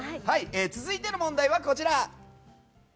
続いての問題はこちら。